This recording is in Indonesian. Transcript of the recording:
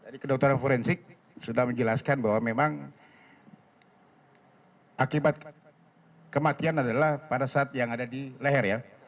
dari kedokteran forensik sudah menjelaskan bahwa memang akibat kematian adalah pada saat yang ada di leher ya